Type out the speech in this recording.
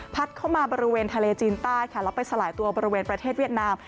เข้ามาบริเวณทะเลจีนใต้ค่ะแล้วไปสลายตัวบริเวณประเทศเวียดนาม